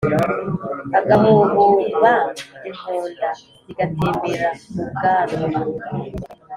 agahoboba inkonda zigatembera mu bwanwa.